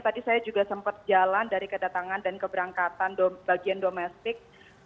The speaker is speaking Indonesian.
tadi saya juga sempat jalan dari kedatangan dan keberangkatan bagian domestik